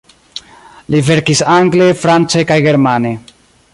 Li verkis angle, france kaj germane.